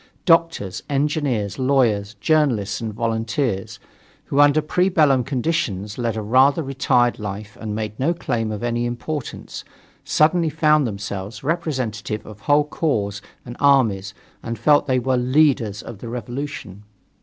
Doctors, engineers, lawyers, journalists and volunteers, who under pre bellum conditions led a rather retired life and made no claim to any importance, suddenly found themselves representative of whole corps and armies and felt that they were "leaders" of the revolution.